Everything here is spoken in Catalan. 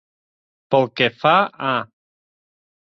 Pel que fa a.